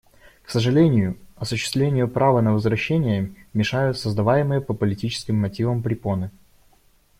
К сожалению, осуществлению права на возвращение мешают создаваемые по политическим мотивам препоны.